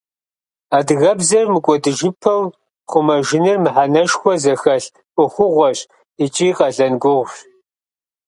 Адыгэбзэр мыкӀуэдыжыпэу хъумэжыныр мыхьэнэшхуэ зыхэлъ Ӏуэхугъуэщ икӀи къалэн гугъущ.